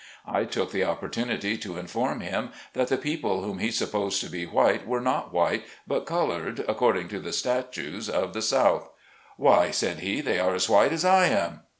I took the opportunity to inform him that the people whom he supposed to be white were not white, but colored, according to the status of the South. "Why," said he, "they are as white as I am."